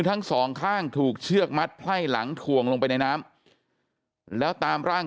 ทั้งสองข้างถูกเชือกมัดไพ่หลังถ่วงลงไปในน้ำแล้วตามร่าง